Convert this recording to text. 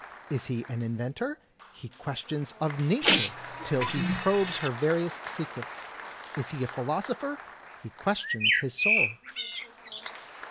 Is he an inventor? He questions of Nature till he probes her various secrets. Is he a philosopher? He questions his soul.